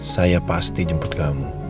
saya pasti jemput kamu